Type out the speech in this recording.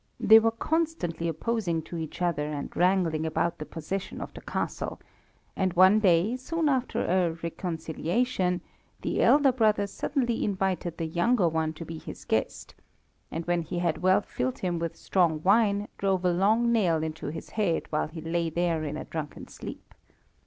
They were constantly opposed to each other and wrangling about the possession of the castle, and one day, soon after a reconciliation, the elder brother suddenly invited the younger one to be his guest, and when he had well filled him with strong wine, drove a long nail into his head while he lay there in a drunken sleep.